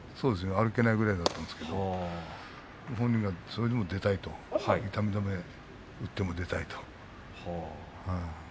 歩けないくらいだったんですけれども本人がそれでも出たいと痛み止めを打ってでも出たいと。